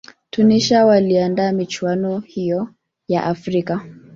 tunisia waliandaa michuano hiyo ya afrika